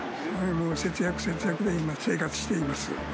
もう節約、節約で、今、生活しています。